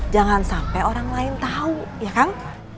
jangan sampai orang lain tau ya kang